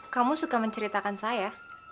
kamu suka menceritakan saya